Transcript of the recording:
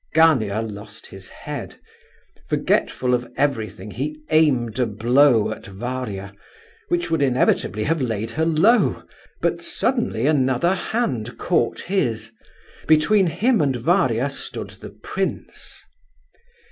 Gania lost his head. Forgetful of everything he aimed a blow at Varia, which would inevitably have laid her low, but suddenly another hand caught his. Between him and Varia stood the prince.